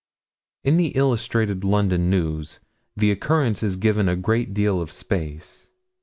In the Illustrated London News, the occurrence is given a great deal of space.